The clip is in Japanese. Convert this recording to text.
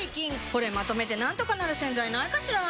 これまとめてなんとかなる洗剤ないかしら？